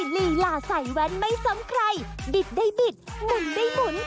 ลีลาใส่แว้นไม่ซ้ำใครบิดได้บิดหมุนได้หมุน